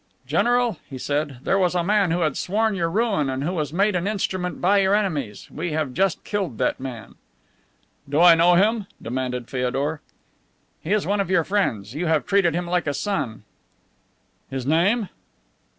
"General," he said, "there was a man who had sworn your ruin and who was made an instrument by your enemies. We have just killed that man." "Do I know him?" demanded Feodor. "He is one of your friends, you have treated him like a son." "His name?"